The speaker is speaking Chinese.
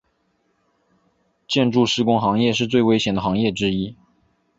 建筑施工行业是最危险的行业之一。